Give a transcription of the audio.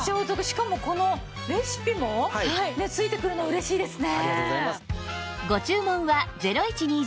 しかもこのレシピも付いてくるの嬉しいですね。